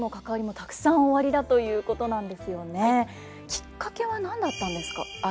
きっかけは何だったんですか？